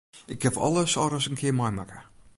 Ik haw alles al ris in kear meimakke.